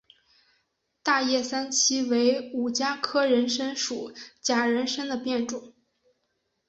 大叶三七为五加科人参属假人参的变种。